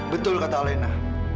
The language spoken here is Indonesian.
betul kata alena